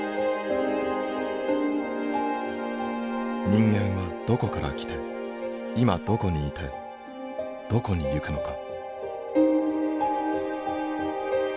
人間はどこから来て今どこにいてどこに行くのか。